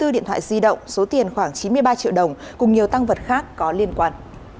hai mươi điện thoại di động số tiền khoảng chín mươi ba triệu đồng cùng nhiều tăng vật khác có liên quan